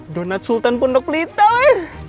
donat sultan pondok pelita weh